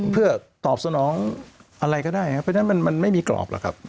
เพื่อตอบสนองอะไรก็ได้ครับเพราะฉะนั้นมันไม่มีกรอบหรอกครับ